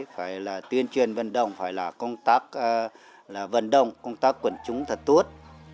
phải là tuyên truyền vận động phải là công tác là vận động công tác quần chúng thật tốt